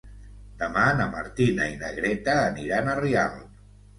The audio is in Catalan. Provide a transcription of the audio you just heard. Demà na Martina i na Greta aniran a Rialp.